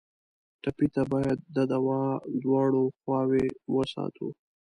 ټپي ته باید د دوا دواړه خواوې وساتو.